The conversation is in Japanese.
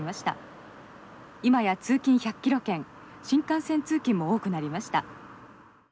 今や通勤１００キロ圏新幹線通勤も多くなりました」。